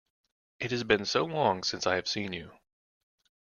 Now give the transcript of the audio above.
It has been so long since I have seen you!